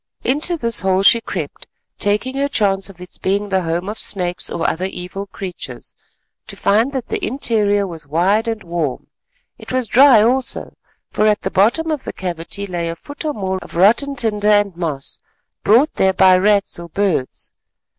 Into this hole she crept, taking her chance of its being the home of snakes or other evil creatures, to find that the interior was wide and warm. It was dry also, for at the bottom of the cavity lay a foot or more of rotten tinder and moss brought there by rats or birds.